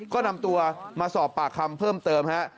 ก็นำตัวมาสอบปากคำเพิ่มเติมฮะ